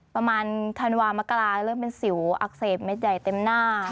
ธันวามกราเริ่มเป็นสิวอักเสบเม็ดใหญ่เต็มหน้า